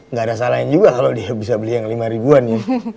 nggak ada salahnya juga kalau dia bisa beli yang lima ribuan ya